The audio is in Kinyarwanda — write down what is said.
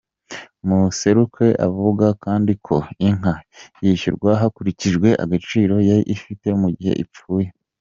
Museruka avuga kandi ko, inka yishyurwa hakurikijwe agaciro yari ifite mu gihe ipfuye.